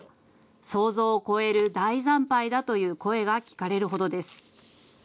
想像を超える大惨敗だという声が聞かれるほどです。